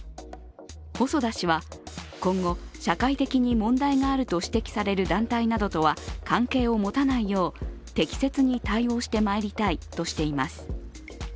細田氏は、今後、社会的に問題があると指摘される団体などとは関係を持たないよう、適切に対応してまいりたいとしています。